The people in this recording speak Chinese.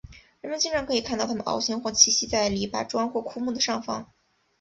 人们经常可以看到它们翱翔或栖息在篱笆桩或枯木的上方。